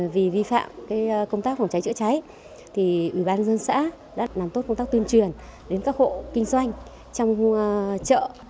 vì vi phạm công tác phòng cháy chữa cháy thì ủy ban dân xã đã làm tốt công tác tuyên truyền đến các hộ kinh doanh trong chợ